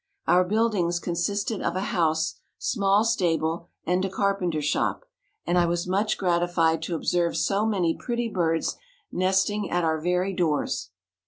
Our buildings consisted of a house, small stable and a carpenter shop, and I was much gratified to observe so many pretty birds nesting at our very doors.